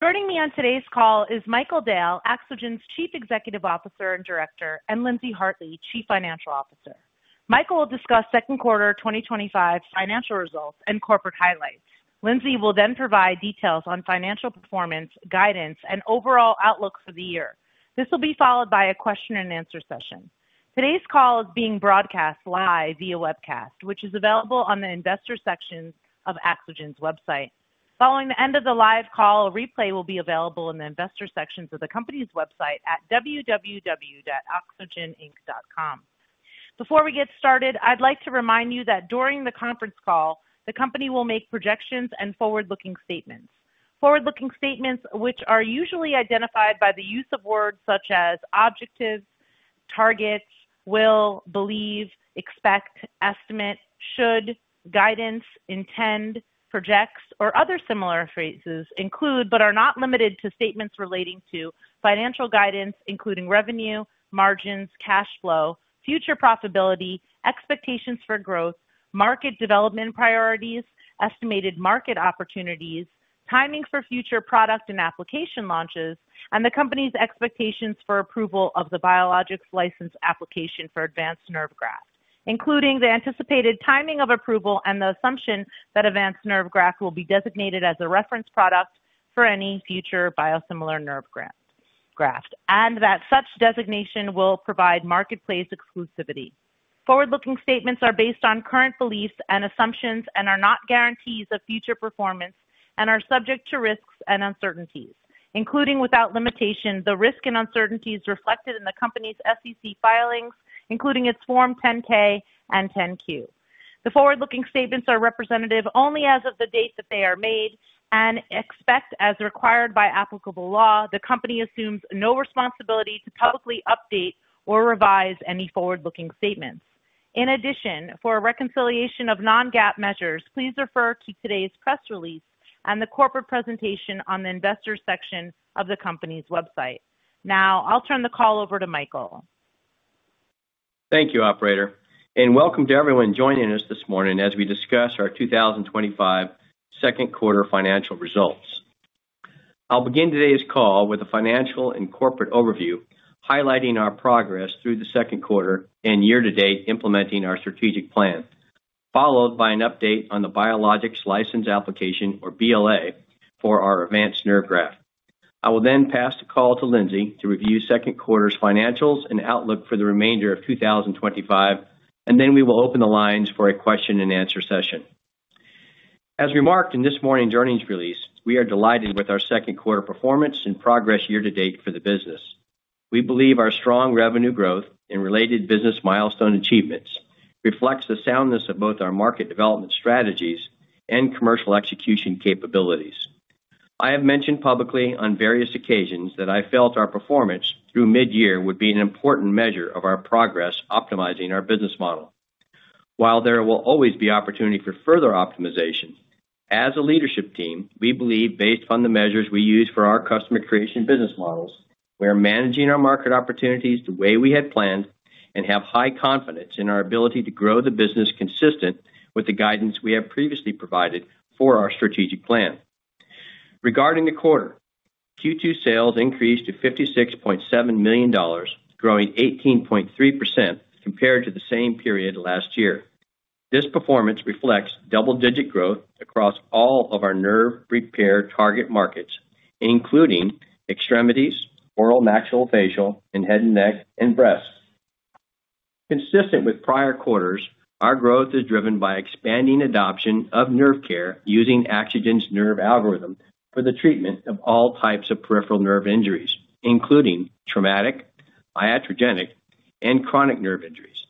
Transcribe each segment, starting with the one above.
Joining me on today's call is Michael Dale, Axogen's Chief Executive Officer and Director, and Lindsey Hartley, Chief Financial Officer. Michael will discuss second quarter 2025 financial results and corporate highlights. Lindsey will then provide details on financial performance, guidance, and overall outlook for the year. This will be followed by a question and answer session. Today's call is being broadcast live via webcast, which is available on the Investor section of Axogen's website. Following the end of the live call, a replay will be available in the Investor section of the company's website at www.axogeninc.com. Before we get started, I'd like to remind you that during the conference call, the company will make projections and forward-looking statements. Forward-looking statements, which are usually identified by the use of words such as objectives, targets, will, believe, expect, estimate, should, guidance, intend, projects, or other similar phrases, include but are not limited to statements relating to financial guidance, including revenue, margins, cash flow, future profitability, expectations for growth, market development priorities, estimated market opportunities, timing for future product and application launches, and the company's expectations for approval of the Biologics License Application for Avance Nerve Graft, including the anticipated timing of approval and the assumption that Avance Nerve Graft will be designated as a reference product for any future biosimilar nerve graft, and that such designation will provide market exclusivity. Forward-looking statements are based on current beliefs and assumptions and are not guarantees of future performance and are subject to risks and uncertainties, including without limitation the risk and uncertainties reflected in the company's SEC filings, including its Form 10-K and 10-Q. The forward-looking statements are representative only as of the date that they are made and except as required by applicable law, the company assumes no responsibility to publicly update or revise any forward-looking statements. In addition, for a reconciliation of non-GAAP measures, please refer to today's press release and the corporate presentation on the Investor section of the company's website. Now, I'll turn the call over to Michael. Thank you, Operator, and welcome to everyone joining us this morning as we discuss our 2025 second quarter financial results. I'll begin today's call with a financial and corporate overview highlighting our progress through the second quarter and year to date implementing our strategic plan, followed by an update on the Biologics License Application, or BLA, for our Avance Nerve Graft. I will then pass the call to Lindsey to review second quarter's financials and outlook for the remainder of 2025, and then we will open the lines for a question and answer session. As we marked in this morning's earnings release, we are delighted with our second quarter performance and progress year to date for the business. We believe our strong revenue growth and related business milestone achievements reflect the soundness of both our market development strategies and commercial execution capabilities. I have mentioned publicly on various occasions that I felt our performance through mid-year would be an important measure of our progress optimizing our business model. While there will always be opportunity for further optimization, as a leadership team, we believe based on the measures we use for our customer creation business models, we are managing our market opportunities the way we had planned and have high confidence in our ability to grow the business consistent with the guidance we have previously provided for our strategic plan. Regarding the quarter, Q2 sales increased to $56.7 million, growing 18.3% compared to the same period last year. This performance reflects double-digit growth across all of our nerve repair target markets, including extremities, oral maxillofacial and head and neck, and breasts. Consistent with prior quarters, our growth is driven by expanding adoption of nerve care using Axogen's nerve repair algorithm for the treatment of all types of peripheral nerve injuries, including traumatic, iatrogenic, and chronic nerve injuries.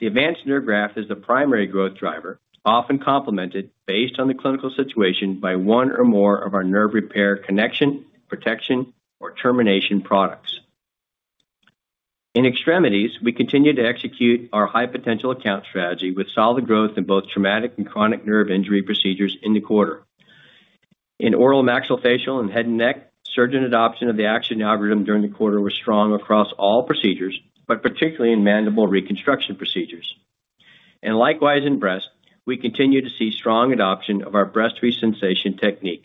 The Avance Nerve Graft is the primary growth driver, often complemented based on the clinical situation by one or more of our nerve repair connection, protection, or termination products. In extremities, we continue to execute our high-potential account strategy with solid growth in both traumatic and chronic nerve injury procedures in the quarter. In oral maxillofacial and head and neck, surgeon adoption of the Axogen nerve repair algorithm during the quarter was strong across all procedures, particularly in mandible reconstruction procedures. Likewise, in breast, we continue to see strong adoption of our Breast ReSensation technique,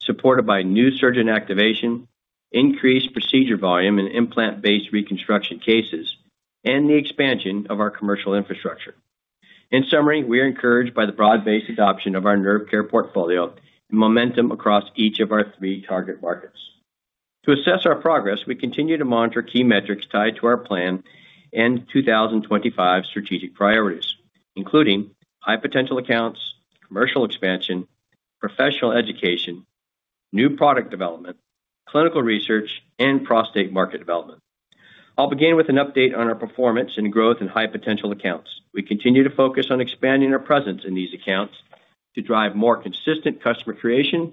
supported by new surgeon activation, increased procedure volume in implant-based reconstruction cases, and the expansion of our commercial infrastructure. In summary, we are encouraged by the broad-based adoption of our nerve care portfolio and momentum across each of our three target markets. To assess our progress, we continue to monitor key metrics tied to our plan and 2025 strategic priorities, including high-potential accounts, commercial expansion, professional education, new product development, clinical research, and prostate market development. I'll begin with an update on our performance and growth in high-potential accounts. We continue to focus on expanding our presence in these accounts to drive more consistent customer creation,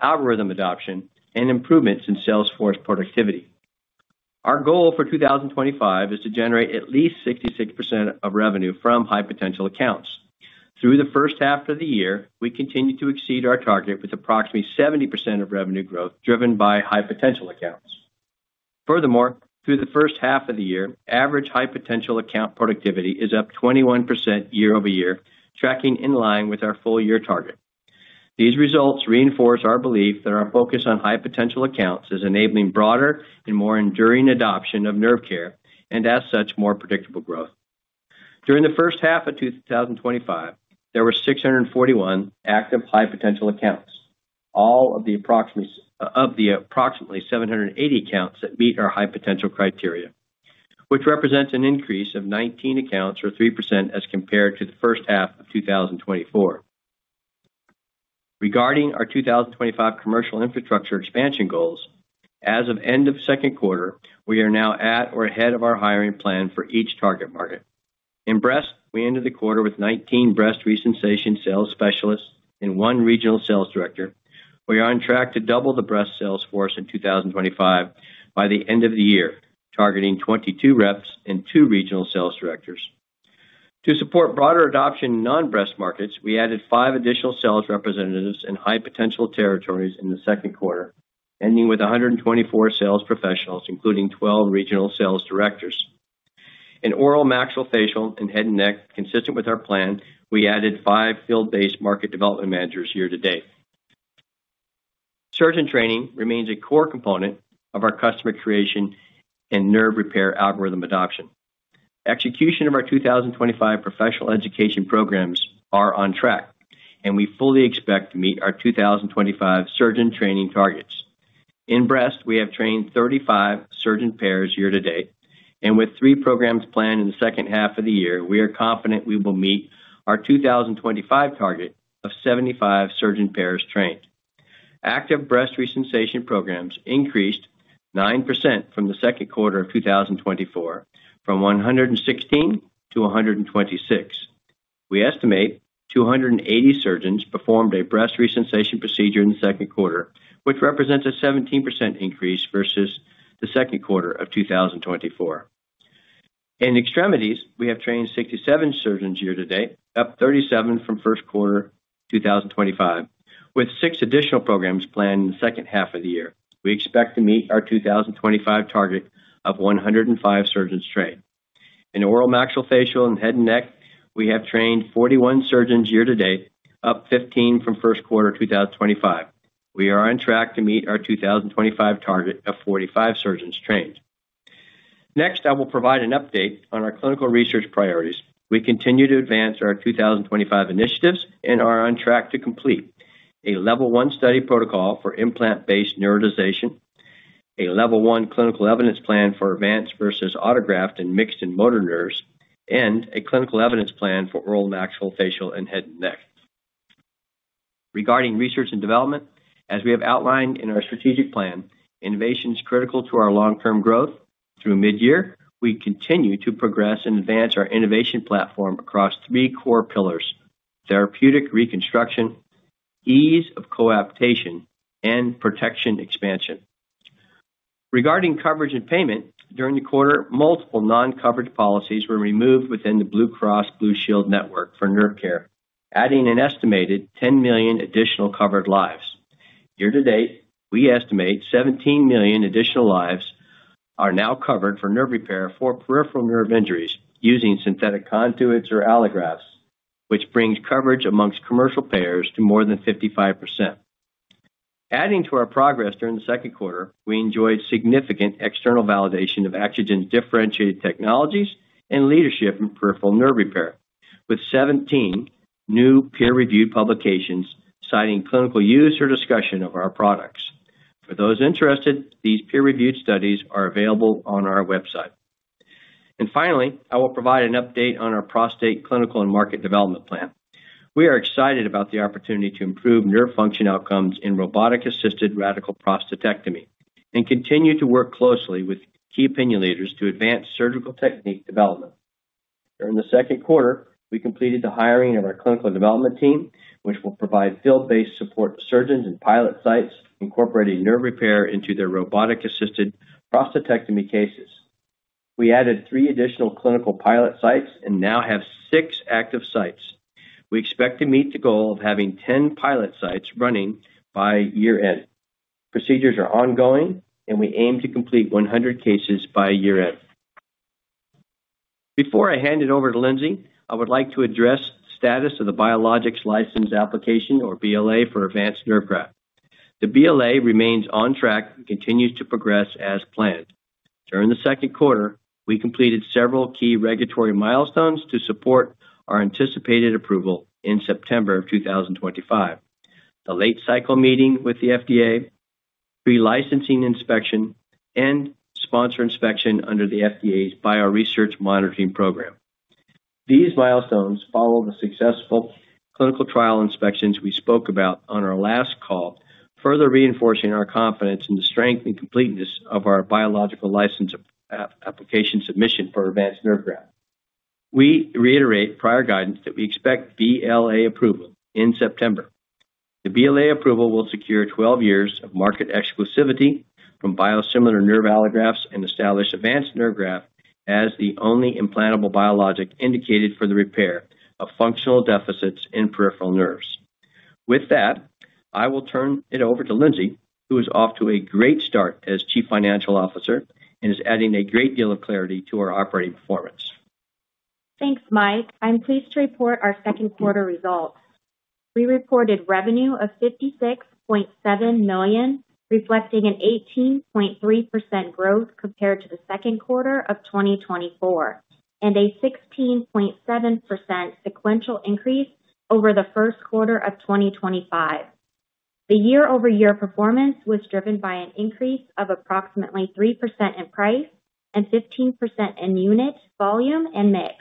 algorithm adoption, and improvements in sales force productivity. Our goal for 2025 is to generate at least 66% of revenue from high-potential accounts. Through the first half of the year, we continue to exceed our target with approximately 70% of revenue growth driven by high-potential accounts. Furthermore, through the first half of the year, average high-potential account productivity is up 21% year over year, tracking in line with our full-year target. These results reinforce our belief that our focus on high-potential accounts is enabling broader and more enduring adoption of nerve care and, as such, more predictable growth. During the first half of 2025, there were 641 active high-potential accounts, out of the approximately 780 accounts that meet our high-potential criteria, which represents an increase of 19 accounts or 3% as compared to the first half of 2024. Regarding our 2025 commercial infrastructure expansion goals, as of end of second quarter, we are now at or ahead of our hiring plan for each target market. In breast, we ended the quarter with 19 breast ReSensation sales specialists and one Regional Sales Director. We are on track to double the breast sales force in 2025 by the end of the year, targeting 22 reps and two Regional Sales Directors. To support broader adoption in non-breast markets, we added five additional sales representatives in high-potential territories in the second quarter, ending with 124 sales professionals, including 12 Regional Sales Directors. In oral maxillofacial and head and neck, consistent with our plan, we added five field-based Market Development Managers year to date. Surgeon training remains a core component of our customer creation and nerve repair algorithm adoption. Execution of our 2025 professional education programs is on track, and we fully expect to meet our 2025 surgeon training targets. In breast, we have trained 35 surgeon pairs year to date, and with three programs planned in the second half of the year, we are confident we will meet our 2025 target of 75 surgeon pairs trained. Active breast ReSensation programs increased 9% from the second quarter of 2024, from 116-126. We estimate 280 surgeons performed a breast ReSensation procedure in the second quarter, which represents a 17% increase versus the second quarter of 2024. In extremities, we have trained 67 surgeons year to date, up 37 from first quarter 2025, with six additional programs planned in the second half of the year. We expect to meet our 2025 target of 105 surgeons trained. In oral maxillofacial and head and neck, we have trained 41 surgeons year to date, up 15 from first quarter 2025. We are on track to meet our 2025 target of 45 surgeons trained. Next, I will provide an update on our clinical research priorities. We continue to advance our 2025 initiatives and are on track to complete a level one study protocol for implant-based neurotization, a level one clinical evidence plan for Avance versus autograft and mixed and motor nerves, and a clinical evidence plan for oral maxillofacial and head and neck. Regarding research and development, as we have outlined in our strategic plan, innovation is critical to our long-term growth. Through mid-year, we continue to progress and advance our innovation platform across three core pillars: therapeutic reconstruction, ease of coaptation, and protection expansion. Regarding coverage and payment, during the quarter, multiple non-coverage policies were removed within the Blue Cross Blue Shield network for nerve care, adding an estimated 10 million additional covered lives. Year to date, we estimate 17 million additional lives are now covered for nerve repair for peripheral nerve injuries using synthetic conduits or allografts, which brings coverage amongst commercial payers to more than 55%. Adding to our progress during the second quarter, we enjoyed significant external validation of Axogen's differentiated technologies and leadership in peripheral nerve repair, with 17 new peer-reviewed publications citing clinical use or discussion of our products. For those interested, these peer-reviewed studies are available on our website. Finally, I will provide an update on our prostate clinical and market development plan. We are excited about the opportunity to improve nerve function outcomes in robotic-assisted radical prostatectomy and continue to work closely with key opinion leaders to advance surgical technique development. During the second quarter, we completed the hiring of our clinical development team, which will provide field-based support to surgeons in pilot sites incorporating nerve repair into their robotic-assisted prostatectomy cases. We added three additional clinical pilot sites and now have six active sites. We expect to meet the goal of having 10 pilot sites running by year-end. Procedures are ongoing, and we aim to complete 100 cases by year-end. Before I hand it over to Lindsey, I would like to address the status of the Biologics License Application, or BLA, for Avance Nerve Graft. The BLA remains on track and continues to progress as planned. During the second quarter, we completed several key regulatory milestones to support our anticipated approval in September of 2025: the late cycle meeting with the FDA, pre-licensing inspection, and sponsor inspection under the FDA's Bioresearch Monitoring Program. These milestones follow the successful clinical trial inspections we spoke about on our last call, further reinforcing our confidence in the strength and completeness of our Biologics License Application submission for Avance Nerve Graft. We reiterate prior guidance that we expect BLA approval in September. The BLA approval will secure 12 years of market exclusivity from biosimilar nerve allografts and establish Avance Nerve Graft as the only implantable biologic indicated for the repair of functional deficits in peripheral nerves. With that, I will turn it over to Lindsey, who is off to a great start as Chief Financial Officer and is adding a great deal of clarity to our operating performance. Thanks, Mike. I'm pleased to report our second quarter results. We reported revenue of $56.7 million, reflecting an 18.3% growth compared to the second quarter of 2024 and a 16.7% sequential increase over the first quarter of 2025. The year-over-year performance was driven by an increase of approximately 3% in price and 15% in unit volume and mix.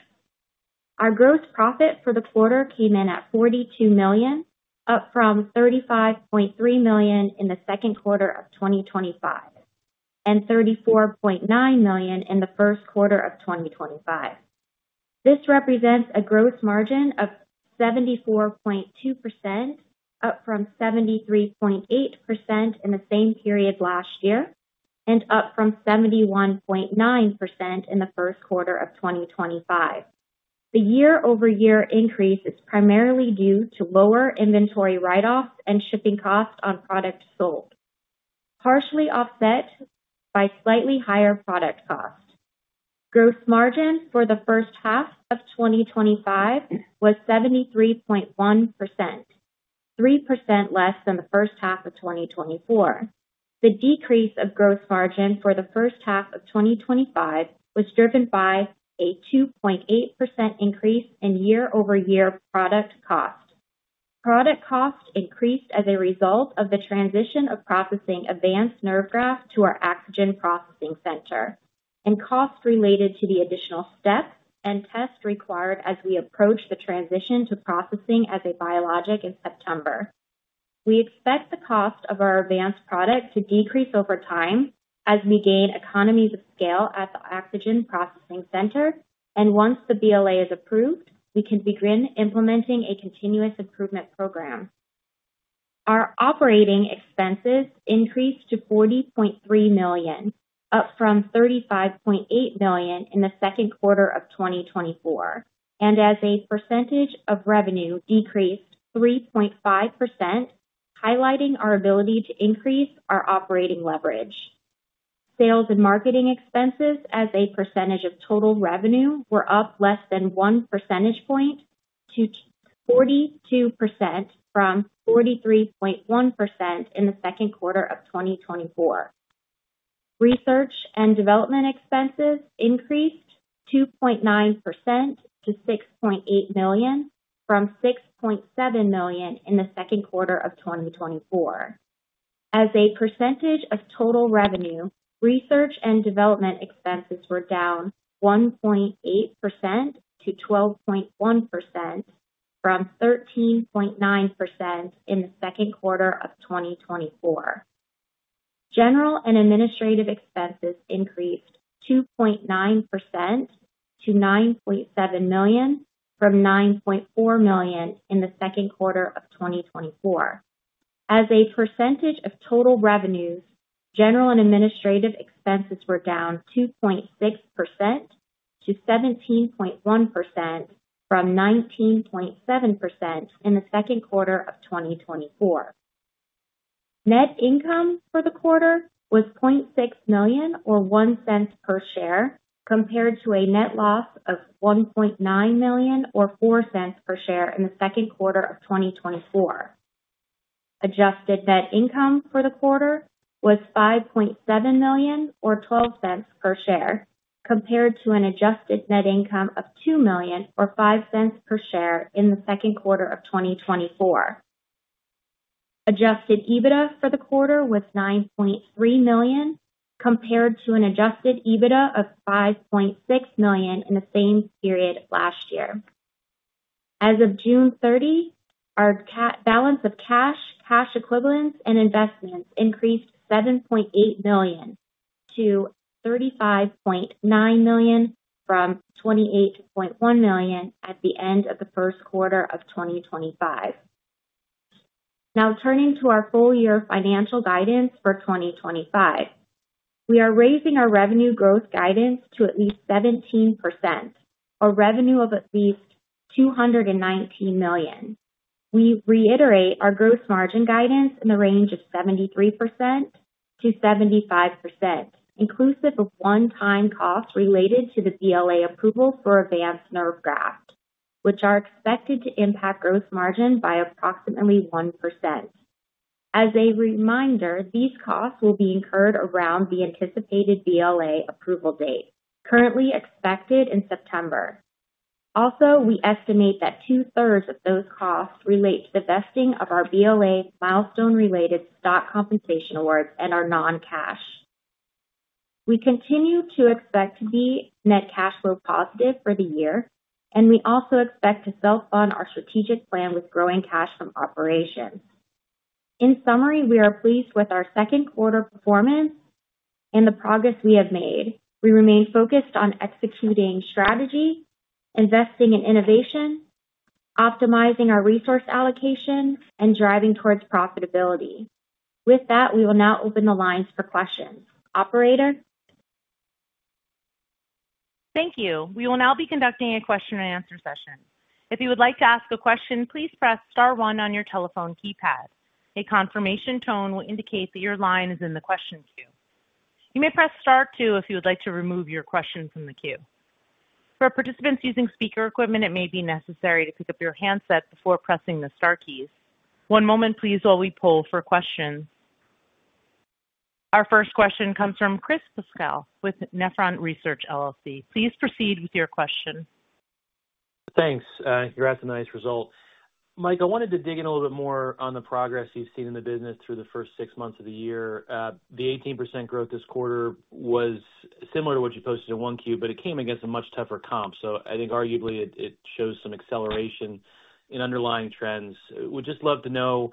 Our gross profit for the quarter came in at $42 million, up from $35.3 million in the second quarter of 2024 and $34.9 million in the first quarter of 2025. This represents a gross margin of 74.2%, up from 73.8% in the same period last year and up from 71.9% in the first quarter of 2025. The year-over-year increase is primarily due to lower inventory write-offs and shipping costs on products sold, partially offset by slightly higher product cost. Gross margin for the first half of 2025 was 73.1%, 3% less than the first half of 2024. The decrease of gross margin for the first half of 2025 was driven by a 2.8% increase in year-over-year product cost. Product cost increased as a result of the transition of processing Avance Nerve Graft to our Axogen Processing Center and cost related to the additional steps and tests required as we approach the transition to processing as a biologic in September. We expect the cost of our Avance product to decrease over time as we gain economies of scale at the Axogen Processing Center, and once the BLA is approved, we can begin implementing a continuous improvement program. Our operating expenses increased to $40.3 million, up from $35.8 million in the second quarter of 2024, and as a percentage of revenue decreased 3.5%, highlighting our ability to increase our operating leverage. Sales and marketing expenses as a percentage of total revenue were up less than one percentage point to 42% from 43.1% in the second quarter of 2024. Research and development expenses increased 2.9%-$6.8 million from $6.7 million in the second quarter of 2024. As a percentage of total revenue, research and development expenses were down 1.8%-12.1% from 13.9% in the second quarter of 2024. General and administrative expenses increased 2.9%-$9.7 million from $9.4 million in the second quarter of 2024. As a percentage of total revenues, general and administrative expenses were down 2.6%-17.1% from 19.7% in the second quarter of 2024. Net income for the quarter was $0.6 million or $0.01 per share, compared to a net loss of $1.9 million or $0.04 per share in the second quarter of 2024. Adjusted net income for the quarter was $5.7 million or $0.12 per share, compared to an adjusted net income of $2 million or $0.05 per share in the second quarter of 2024. Adjusted EBITDA for the quarter was $9.3 million, compared to an adjusted EBITDA of $5.6 million in the same period last year. As of June 30th, our balance of cash, cash equivalents, and investments increased $7.8 million-$35.9 million from $28.1 million at the end of the first quarter of 2025. Now, turning to our full-year financial guidance for 2025, we are raising our revenue growth guidance to at least 17%, a revenue of at least $219 million. We reiterate our gross margin guidance in the range of 73%-75%, inclusive of one-time costs related to the BLA approval for Avance Nerve Graft, which are expected to impact gross margin by approximately 1%. As a reminder, these costs will be incurred around the anticipated BLA approval date, currently expected in September. Also, we estimate that two-thirds of those costs relate to the vesting of our BLA milestone-related stock compensation awards and our non-cash. We continue to expect to be net cash flow positive for the year, and we also expect to self-fund our strategic plan with growing cash from operations. In summary, we are pleased with our second quarter performance and the progress we have made. We remain focused on executing strategy, investing in innovation, optimizing our resource allocation, and driving towards profitability. With that, we will now open the lines for questions. Operator? Thank you. We will now be conducting a question and answer session. If you would like to ask a question, please press *1 on your telephone keypad. A confirmation tone will indicate that your line is in the question queue. You may press *2 if you would like to remove your question from the queue. For participants using speaker equipment, it may be necessary to pick up your handset before pressing the star keys. One moment, please, while we pull for questions. Our first question comes from Christopher Thomas Pasquale with Nephron Research. Please proceed with your question. Thanks. Congrats on a nice result. Mike, I wanted to dig in a little bit more on the progress you've seen in the business through the first six months of the year. The 18% growth this quarter was similar to what you posted in Q1, but it came against a much tougher comp. I think arguably it shows some acceleration in underlying trends. We'd just love to know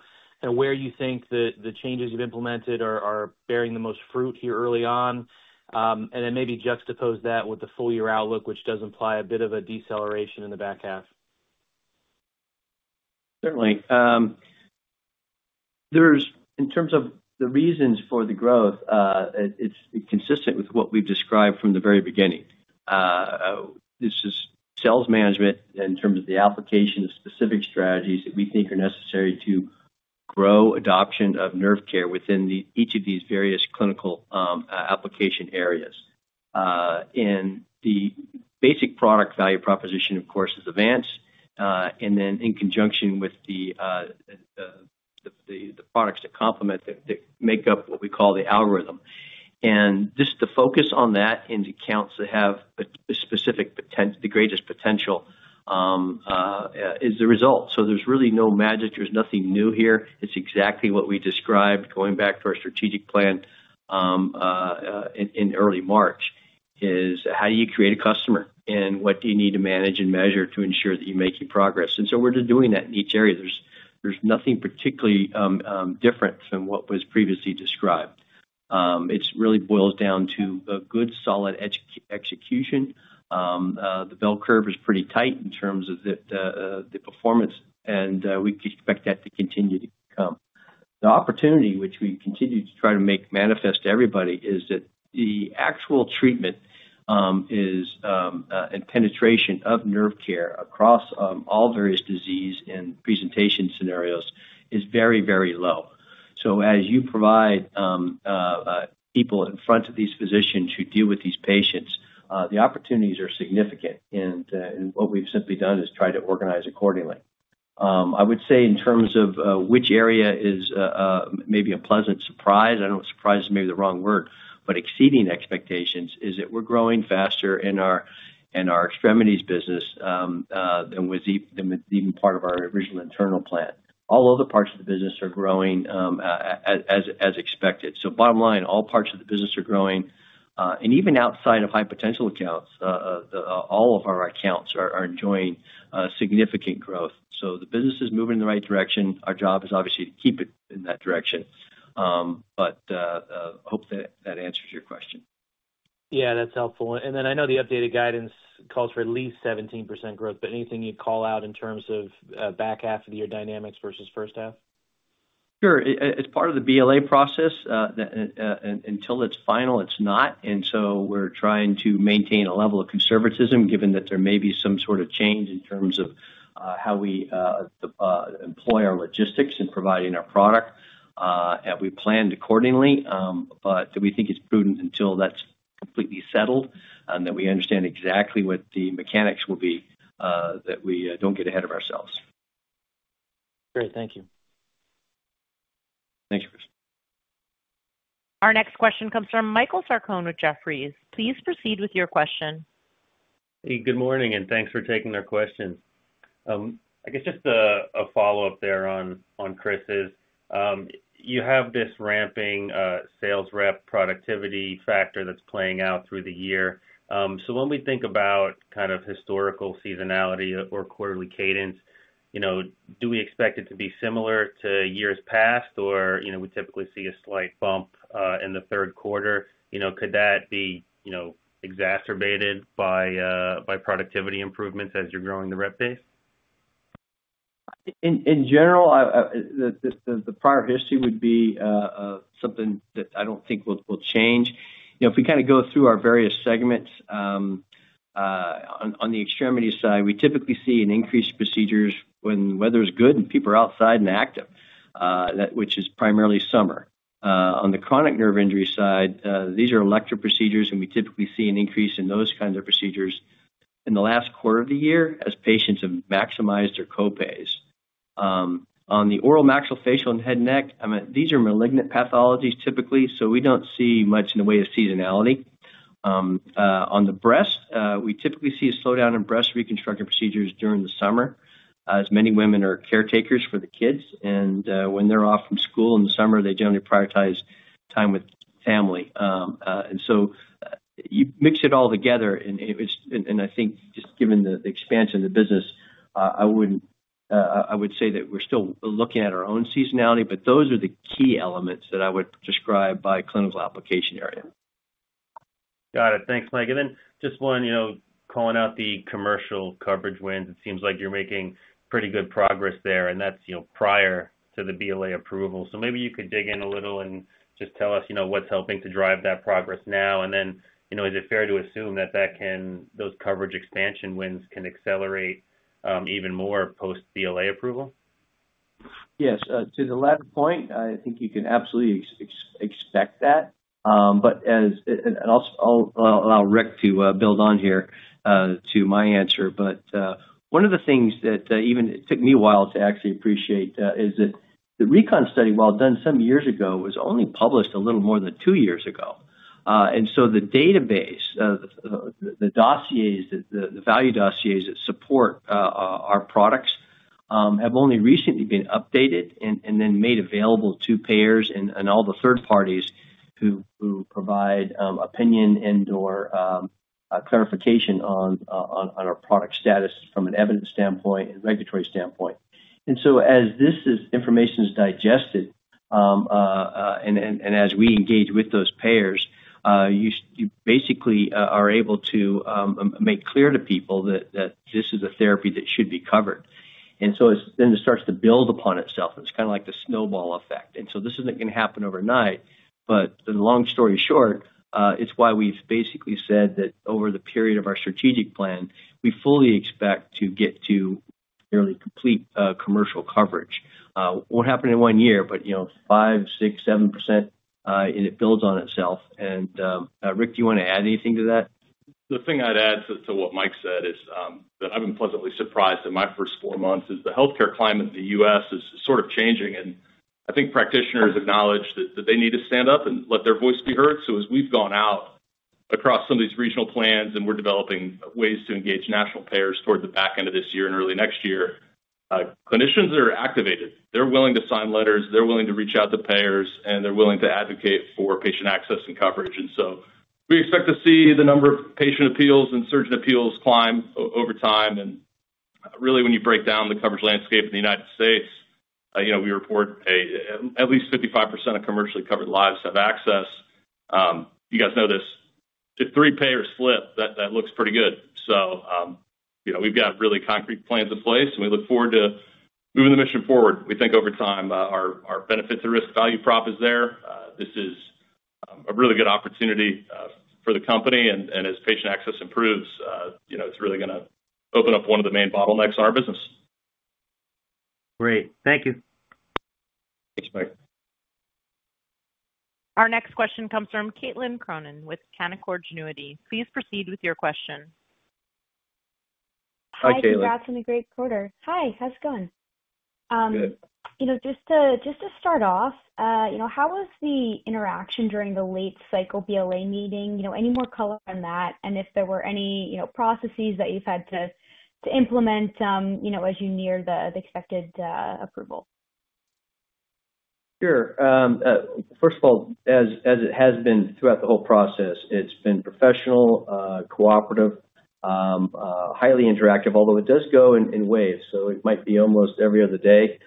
where you think that the changes you've implemented are bearing the most fruit here early on, and then maybe juxtapose that with the full-year outlook, which does imply a bit of a deceleration in the back half. Certainly. In terms of the reasons for the growth, it's consistent with what we've described from the very beginning. This is sales management in terms of the application of specific strategies that we think are necessary to grow adoption of nerve care within each of these various clinical application areas. The basic product value proposition, of course, is Avance Nerve Graft, and then in conjunction with the products that complement that make up what we call the nerve repair algorithm. Just the focus on that in accounts that have the greatest potential is the result. There's really no magic. There's nothing new here. It's exactly what we described going back to our strategic plan in early March, is how do you create a customer and what do you need to manage and measure to ensure that you're making progress? We're doing that in each area. There's nothing particularly different from what was previously described. It really boils down to good solid execution. The bell curve is pretty tight in terms of the performance, and we expect that to continue to come. The opportunity, which we continue to try to make manifest to everybody, is that the actual treatment and penetration of nerve care across all various disease and presentation scenarios is very, very low. As you provide people in front of these physicians who deal with these patients, the opportunities are significant. What we've simply done is try to organize accordingly. I would say in terms of which area is maybe a pleasant surprise, I don't know if surprise is maybe the wrong word, but exceeding expectations is that we're growing faster in our extremities business than was even part of our original internal plan. All other parts of the business are growing as expected. Bottom line, all parts of the business are growing. Even outside of high-potential accounts, all of our accounts are enjoying significant growth. The business is moving in the right direction. Our job is obviously to keep it in that direction, but hope that answers your question. Yeah, that's helpful. I know the updated guidance calls for at least 17% growth, but anything you'd call out in terms of back half of the year dynamics versus first half? Sure. As part of the BLA process, until it's final, it's not. We're trying to maintain a level of conservatism given that there may be some sort of change in terms of how we employ our logistics in providing our product. We planned accordingly, but we think it's prudent until that's completely settled and that we understand exactly what the mechanics will be, that we don't get ahead of ourselves. Great. Thank you. Thank you, Chris. Our next question comes from Michael Sarcone with Jefferies. Please proceed with your question. Hey, good morning, and thanks for taking our questions. I guess just a follow-up there on Chris's. You have this ramping sales rep productivity factor that's playing out through the year. When we think about kind of historical seasonality or quarterly cadence, do we expect it to be similar to years past, or we typically see a slight bump in the third quarter? Could that be exacerbated by productivity improvements as you're growing the rep days? In general, the prior history would be something that I don't think will change. You know, if we kind of go through our various segments, on the extremity side, we typically see an increase in procedures when the weather is good and people are outside and active, which is primarily summer. On the chronic nerve injury side, these are elective procedures, and we typically see an increase in those kinds of procedures in the last quarter of the year as patients have maximized their co-pays. On the oral maxillofacial and head and neck, I mean, these are malignant pathologies typically, so we don't see much in the way of seasonality. On the breast, we typically see a slowdown in breast reconstructive procedures during the summer as many women are caretakers for the kids, and when they're off from school in the summer, they generally prioritize time with family. You mix it all together, and I think just given the expansion of the business, I would say that we're still looking at our own seasonality, but those are the key elements that I would describe by clinical application area. Got it. Thanks, Mike. Just one, calling out the commercial coverage wins, it seems like you're making pretty good progress there, and that's prior to the BLA approval. Maybe you could dig in a little and just tell us what's helping to drive that progress now, and is it fair to assume that those coverage expansion wins can accelerate even more post-BLA approval? Yes, to the latter point, I think you can absolutely expect that. I'll allow Rick to build on here to my answer, but one of the things that even took me a while to actually appreciate is that the recon study, while done some years ago, was only published a little more than two years ago. The database, the dossiers, the value dossiers that support our products have only recently been updated and then made available to payers and all the third parties who provide opinion and/or clarification on our product status from an evidence standpoint and regulatory standpoint. As this information is digested and as we engage with those payers, you basically are able to make clear to people that this is the therapy that should be covered. It starts to build upon itself, and it's kind of like the snowball effect. This isn't going to happen overnight, but the long story short, it's why we've basically said that over the period of our strategic plan, we fully expect to get to nearly complete commercial coverage. It won't happen in one year, but you know, 5%, 6%, 7%, and it builds on itself. Rick, do you want to add anything to that? The thing I'd add to what Mike said is that I've been pleasantly surprised in my first four months is the healthcare climate in the U.S. is sort of changing, and I think practitioners acknowledge that they need to stand up and let their voice be heard. As we've gone out across some of these regional plans and we're developing ways to engage national payers toward the back end of this year and early next year, clinicians are activated. They're willing to sign letters, they're willing to reach out to payers, and they're willing to advocate for patient access and coverage. We expect to see the number of patient appeals and surgeon appeals climb over time. When you break down the coverage landscape in the United States, you know, we report at least 55% of commercially covered lives have access. You guys know this. If three payers flip, that looks pretty good. We've got really concrete plans in place, and we look forward to moving the mission forward. We think over time, our benefits and risk value prop is there. This is a really good opportunity for the company, and as patient access improves, you know, it's really going to open up one of the main bottlenecks in our business. Great. Thank you. Thanks, Mike. Our next question comes from Caitlin Cronin with Canaccord Genuity LLC. Please proceed with your question. Hi, Caitlin. Congrats on a great quarter. Hi, how's it going? Good. Just to start off, how was the interaction during the late cycle BLA meeting? Any more color on that, and if there were any processes that you've had to implement as you near the expected approval? Sure. First of all, as it has been throughout the whole process, it's been professional, cooperative, highly interactive, although it does go in waves. It might be almost every other day.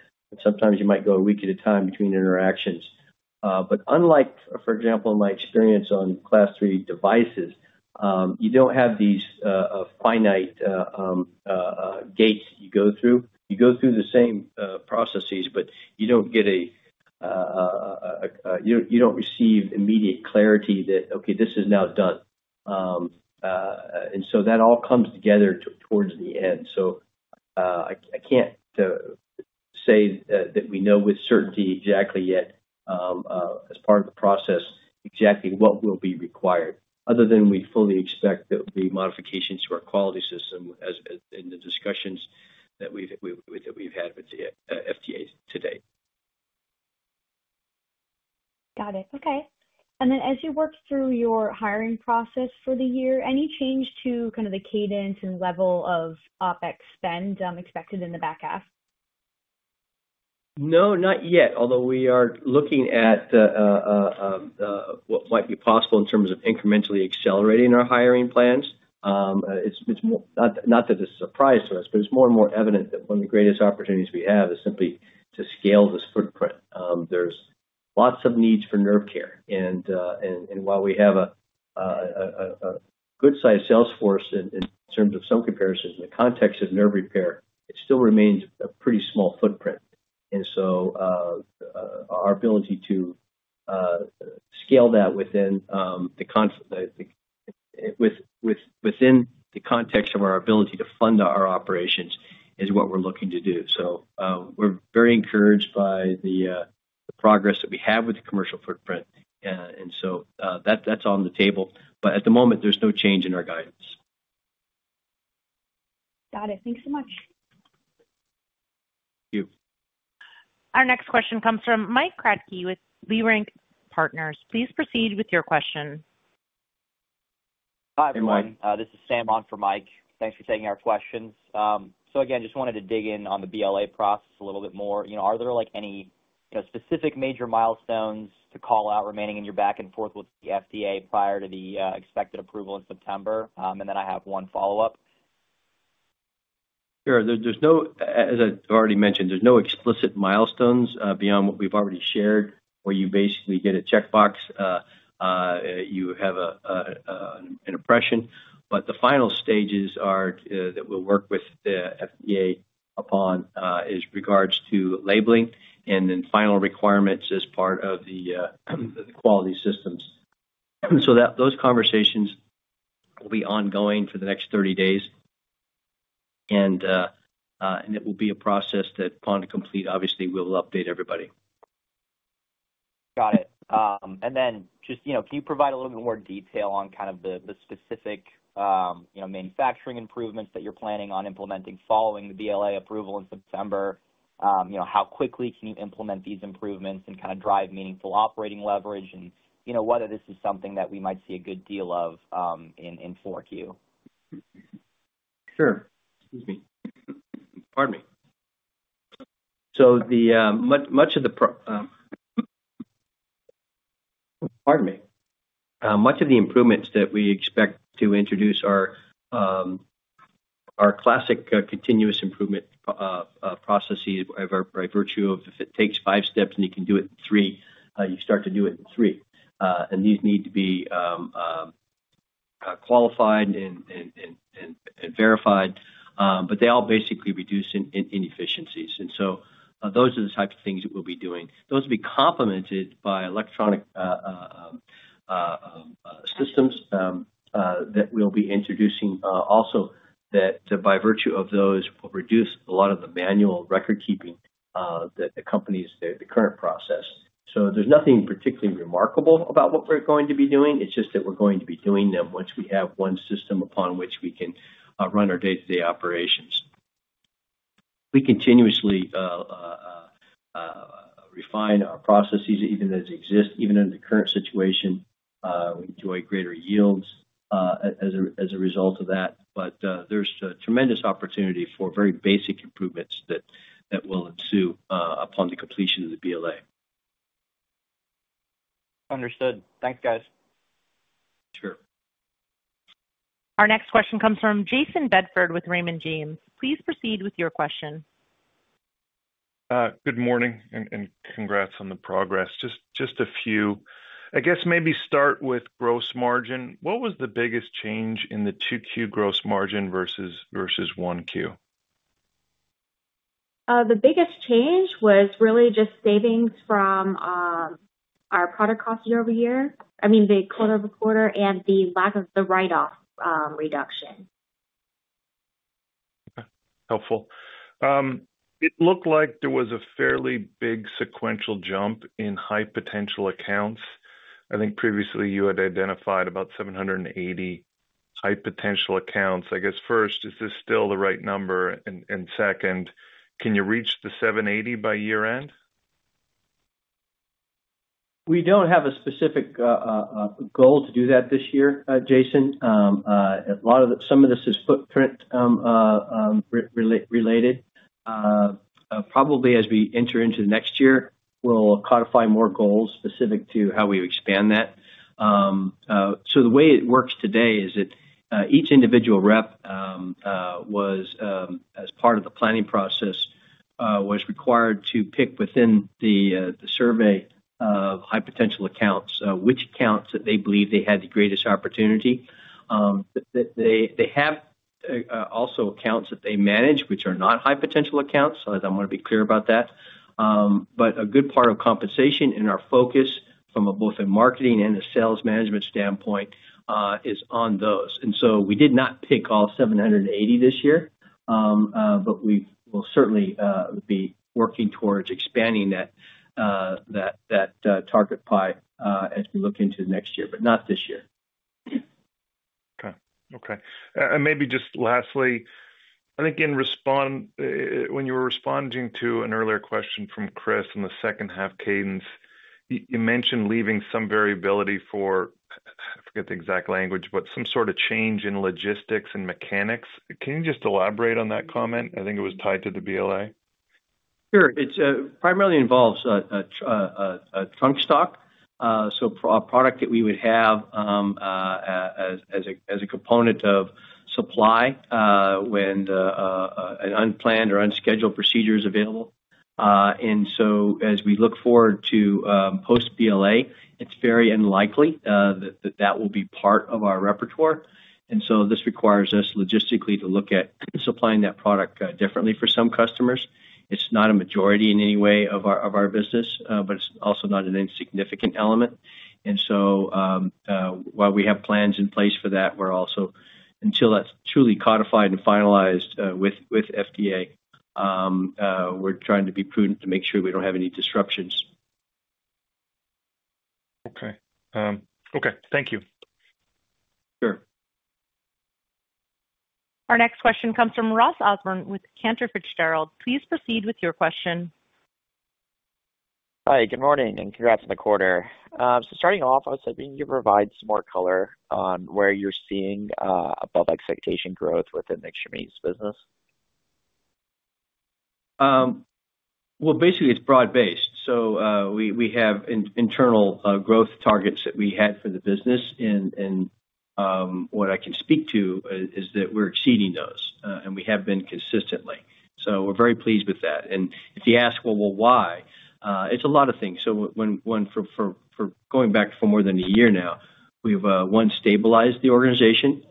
Sometimes you might go a week at a time between interactions. For example, in my experience on class three devices, you don't have these finite gates that you go through. You go through the same processes, but you don't receive immediate clarity that, okay, this is now done. That all comes together towards the end. I can't say that we know with certainty exactly yet, as part of the process, exactly what will be required, other than we fully expect there will be modifications to our quality system as in the discussions that we've had with the FDA today. Got it. Okay. As you work through your hiring process for the year, any change to the cadence and level of OpEx spend expected in the back half? No, not yet, although we are looking at what might be possible in terms of incrementally accelerating our hiring plans. It's not that this is a surprise to us, but it's more and more evident that one of the greatest opportunities we have is simply to scale this footprint. There are lots of needs for nerve care. While we have a good-sized sales force in terms of some comparisons in the context of nerve repair, it still remains a pretty small footprint. Our ability to scale that within the context of our ability to fund our operations is what we're looking to do. We are very encouraged by the progress that we have with the commercial footprint, and that's on the table. At the moment, there's no change in our guidance. Got it. Thanks so much. Thank you. Our next question comes from Mike Kratky with Leerink Partners. Please proceed with your question. Hi, everyone. This is Sam on for Mike. Thanks for taking our questions. I just wanted to dig in on the BLA process a little bit more. You know, are there any specific major milestones to call out remaining in your back and forth with the FDA prior to the expected approval in September? I have one follow-up. Sure. There's no, as I already mentioned, there's no explicit milestones beyond what we've already shared where you basically get a checkbox, you have an impression. The final stages that we'll work with the FDA upon is regards to labeling and then final requirements as part of the quality systems. Those conversations will be ongoing for the next 30 days, and it will be a process that upon complete, obviously, we will update everybody. Got it. Can you provide a little bit more detail on the specific manufacturing improvements that you're planning on implementing following the BLA approval in September? How quickly can you implement these improvements and drive meaningful operating leverage? Is this something that we might see a good deal of in fourth year? Sure. Much of the improvements that we expect to introduce are our classic continuous improvement processes. By virtue of if it takes five steps and you can do it in three, you start to do it in three. These need to be qualified and verified, but they all basically reduce inefficiencies. Those are the types of things that we'll be doing. Those will be complemented by electronic systems that we'll be introducing also that, by virtue of those, will reduce a lot of the manual record keeping that accompanies the current process. There's nothing particularly remarkable about what we're going to be doing. It's just that we're going to be doing them once we have one system upon which we can run our day-to-day operations. We continuously refine our processes even as they exist, even under the current situation. We enjoy greater yields as a result of that. There's a tremendous opportunity for very basic improvements that will ensue upon the completion of the BLA. Understood. Thanks, guys. Sure. Our next question comes from Jayson Tyler Bedford with Raymond James. Please proceed with your question. Good morning, and congrats on the progress. Just a few, I guess maybe start with gross margin. What was the biggest change in the Q2 gross margin versus Q1? The biggest change was really just savings from our product costs year over year, the quarter over quarter, and the lack of the write-off reduction. Okay. Helpful. It looked like there was a fairly big sequential jump in high-potential accounts. I think previously you had identified about 780 high-potential accounts. I guess first, is this still the right number? Second, can you reach the 780 by year end? We don't have a specific goal to do that this year, Jayson. A lot of some of this is footprint-related. Probably as we enter into the next year, we'll codify more goals specific to how we expand that. The way it works today is that each individual rep was, as part of the planning process, required to pick within the survey of high-potential accounts which accounts that they believe they had the greatest opportunity. They have also accounts that they manage, which are not high-potential accounts. I want to be clear about that. A good part of compensation and our focus from both a marketing and a sales management standpoint is on those. We did not pick all 780 this year, but we will certainly be working towards expanding that target pie as we look into the next year, but not this year. Okay. Maybe just lastly, I think when you were responding to an earlier question from Chris in the second half cadence, you mentioned leaving some variability for, I forget the exact language, but some sort of change in logistics and mechanics. Can you just elaborate on that comment? I think it was tied to the BLA. Sure. It primarily involves a trunk stock, so a product that we would have as a component of supply when an unplanned or unscheduled procedure is available. As we look forward to post-BLA, it's very unlikely that that will be part of our repertoire. This requires us logistically to look at supplying that product differently for some customers. It's not a majority in any way of our business, but it's also not an insignificant element. While we have plans in place for that, we're also, until that's truly codified and finalized with FDA, trying to be prudent to make sure we don't have any disruptions. Okay. Thank you. Sure. Our next question comes from Ross Everett Osborn with Cantor Fitzgerald. Please proceed with your question. Hi, good morning, and congrats on the quarter. I was hoping you could provide some more color on where you're seeing above expectation growth within the extremities business. Basically, it's broad-based. We have internal growth targets that we had for the business, and what I can speak to is that we're exceeding those, and we have been consistently. We're very pleased with that. If you ask, why? It's a lot of things. For more than a year now, once we stabilized the organization,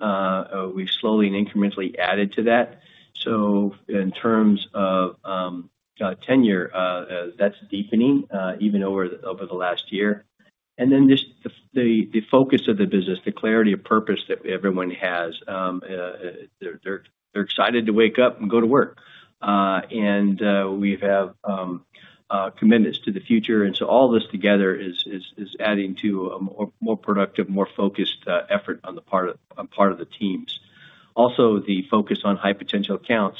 we've slowly and incrementally added to that. In terms of tenure, that's deepening even over the last year. The focus of the business, the clarity of purpose that everyone has, they're excited to wake up and go to work. We have commitments to the future. All of this together is adding to a more productive, more focused effort on the part of the teams. Also, the focus on high-potential accounts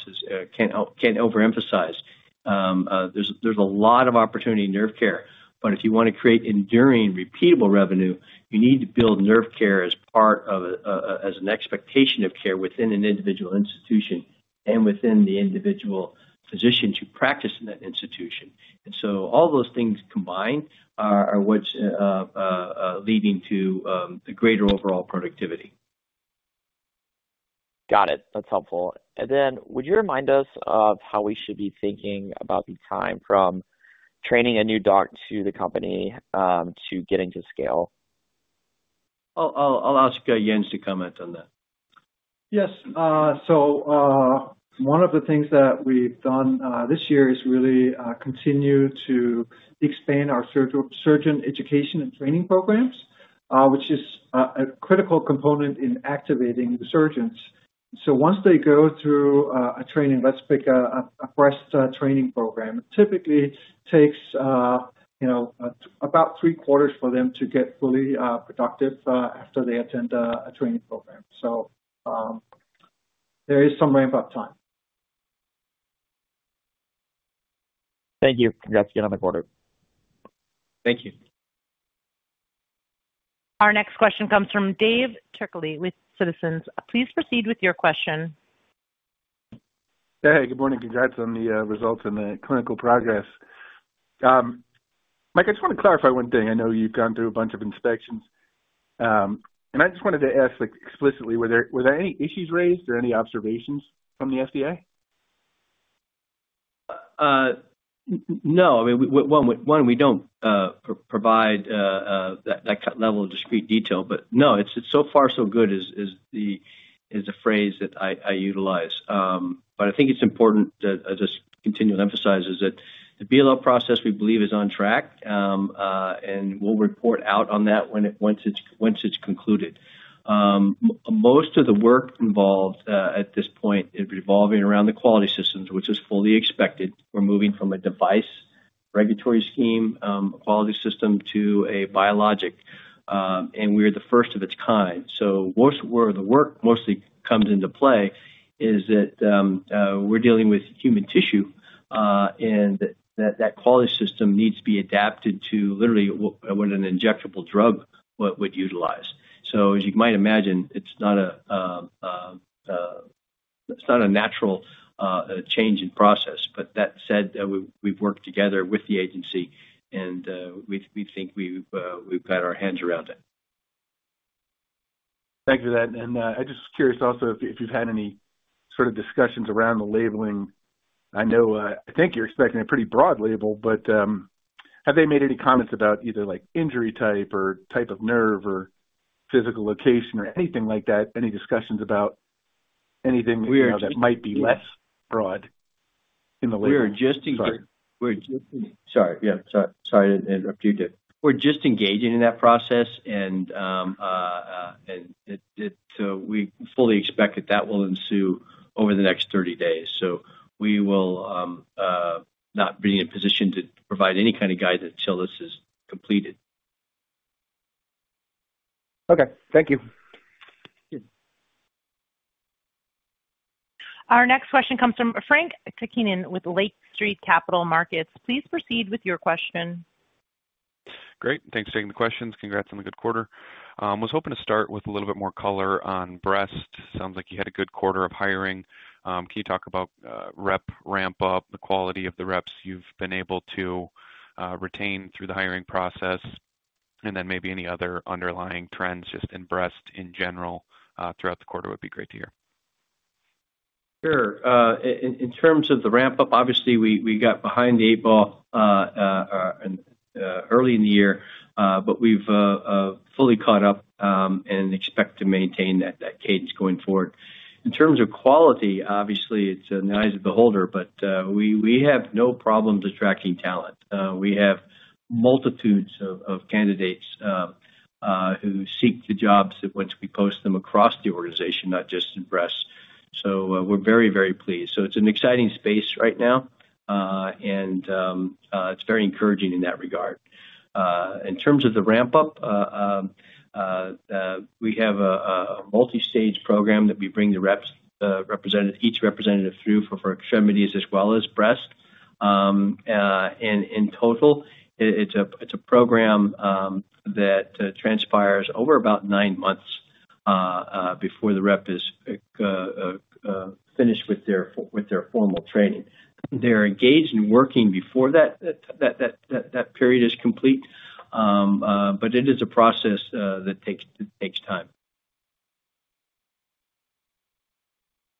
can't be overemphasized. There's a lot of opportunity in nerve care. If you want to create enduring repeatable revenue, you need to build nerve care as part of an expectation of care within an individual institution and within the individual physician to practice in that institution. All those things combined are what's leading to a greater overall productivity. Got it. That's helpful. Would you remind us of how we should be thinking about the time from training a new doc to the company to getting to scale? I'll ask Lindsey Hartley to comment on that. Yes. One of the things that we've done this year is really continue to expand our surgeon education and training programs, which is a critical component in activating new surgeons. Once they go through a training, let's pick a breast training program, it typically takes about three quarters for them to get fully productive after they attend a training program. There is some ramp-up time. Thank you. Congrats again on the quarter. Thank you. Our next question comes from David Louis Turkaly with Citizens JMP Securities. Please proceed with your question. Hey, good morning. Congrats on the results and the clinical progress. Mike, I just want to clarify one thing. I know you've gone through a bunch of inspections, and I just wanted to ask explicitly, were there any issues raised or any observations from the FDA? No, I mean, one, we don't provide that level of discrete detail, but no, it's so far so good is the phrase that I utilize. I think it's important to just continue to emphasize that the BLA process we believe is on track, and we'll report out on that once it's concluded. Most of the work involved at this point is revolving around the quality systems, which is fully expected. We're moving from a device regulatory scheme quality system to a biologic, and we are the first of its kind. Where the work mostly comes into play is that we're dealing with human tissue, and that quality system needs to be adapted to literally what an injectable drug would utilize. As you might imagine, it's not a natural change in process. That said, we've worked together with the agency, and we think we've got our hands around it. Thanks for that. I'm just curious also if you've had any sort of discussions around the labeling. I know I think you're expecting a pretty broad label, but have they made any comments about either like injury type or type of nerve or physical location or anything like that? Any discussions about anything that might be less broad in the label? We're just. Sorry. Sorry to interrupt you, David. We're just engaging in that process, and we fully expect that will ensue over the next 30 days. We will not be in a position to provide any kind of guidance until this is completed. Okay, thank you. Our next question comes from Frank James Takkinen with Lake Street Capital Markets. Please proceed with your question. Great. Thanks for taking the questions. Congrats on the good quarter. I was hoping to start with a little bit more color on breast. Sounds like you had a good quarter of hiring. Can you talk about rep ramp-up, the quality of the reps you've been able to retain through the hiring process, and then maybe any other underlying trends just in breast in general throughout the quarter would be great to hear. Sure. In terms of the ramp-up, obviously, we got behind the eight ball early in the year, but we've fully caught up and expect to maintain that cadence going forward. In terms of quality, obviously, it's in the eyes of the beholder, but we have no problems attracting talent. We have multitudes of candidates who seek the jobs once we post them across the organization, not just in breast. We're very, very pleased. It's an exciting space right now, and it's very encouraging in that regard. In terms of the ramp-up, we have a multi-stage program that we bring the reps, each representative, through for extremities as well as breast. In total, it's a program that transpires over about nine months before the rep is finished with their formal training. They're engaged in working before that period is complete, but it is a process that takes time.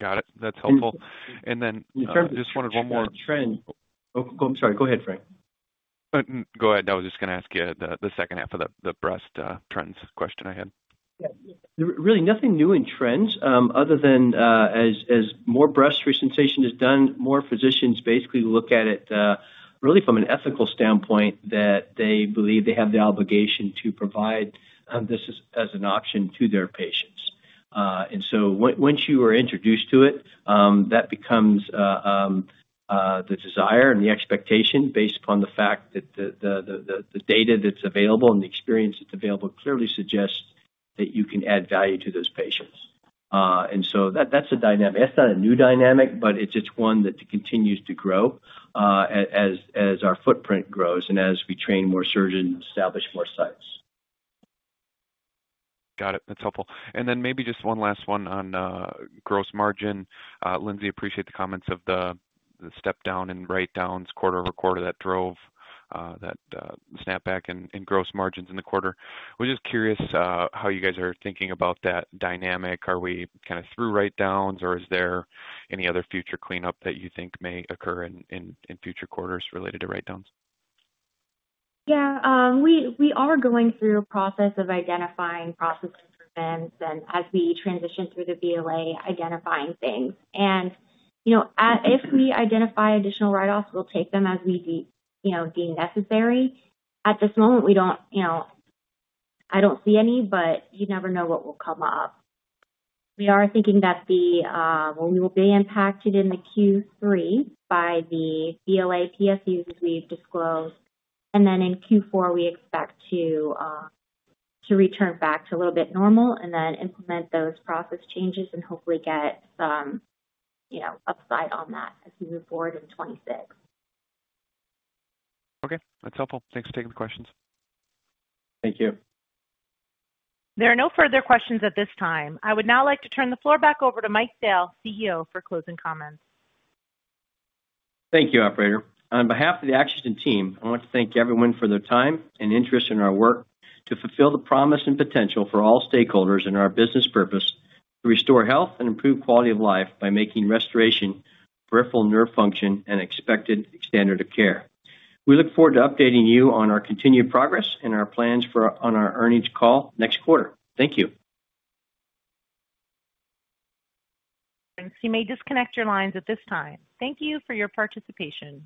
Got it. That's helpful. I just wanted one more. In terms of trends. I'm sorry. Go ahead, Frank. I was just going to ask you the second half of the breast trends question I had. Yeah. Really, nothing new in trends other than as more breast ReSensation is done, more physicians basically look at it really from an ethical standpoint that they believe they have the obligation to provide this as an option to their patients. Once you are introduced to it, that becomes the desire and the expectation based upon the fact that the data that's available and the experience that's available clearly suggests that you can add value to those patients. That's a dynamic. That's not a new dynamic, but it's one that continues to grow as our footprint grows and as we train more surgeons and establish more sites. Got it. That's helpful. Maybe just one last one on gross margin. Lindsey, I appreciate the comments of the step-down and write-downs quarter over quarter that drove that snapback in gross margins in the quarter. We're just curious how you guys are thinking about that dynamic. Are we kind of through write-downs, or is there any other future cleanup that you think may occur in future quarters related to write-downs? Yeah. We are going through a process of identifying processes for them, and as we transition through the BLA, identifying things. If we identify additional write-offs, we'll take them as we deem necessary. At this moment, I don't see any, but you never know what will come up. We are thinking that we will be impacted in Q3 by the BLA PSUs we've disclosed. In Q4, we expect to return back to a little bit normal and then implement those process changes and hopefully get some upside on that as we move forward in 2026. Okay, that's helpful. Thanks for taking the questions. Thank you. There are no further questions at this time. I would now like to turn the floor back over to Michael Dale, CEO, for closing comments. Thank you, Operator. On behalf of the Axogen team, I want to thank everyone for their time and interest in our work to fulfill the promise and potential for all stakeholders in our business purpose to restore health and improve quality of life by making restoration of peripheral nerve function an expected standard of care. We look forward to updating you on our continued progress and our plans on our earnings call next quarter. Thank you. You may disconnect your lines at this time. Thank you for your participation.